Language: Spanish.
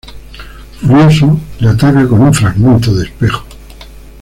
Furioso, la ataca con un fragmento de espejo.